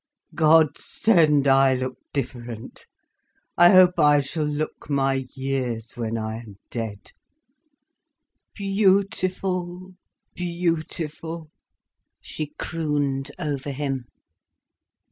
God send I look different. I hope I shall look my years, when I am dead. Beautiful, beautiful," she crooned over him.